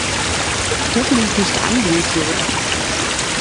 Hup' mich nicht an, du Idiot!